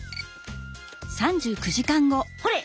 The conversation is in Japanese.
ほれ！